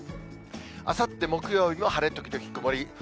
あさって木曜日も晴れ時々曇り。